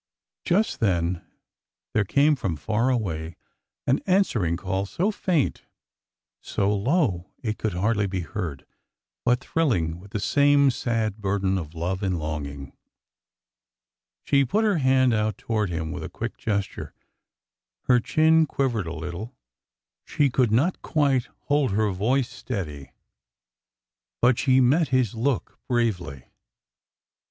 Just then there came from far away an answering call —so faint, so low it could hardly be heard, but thrilling with the same sad burden of love and longing. She put her hand out toward him with a quick gesture. Her chin quivered a little— she could not quite hold her voice steady, but she met his look bravely.